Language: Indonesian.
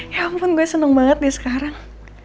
ya ampun gue seneng banget deh sekarang